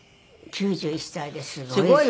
９１歳ですごい。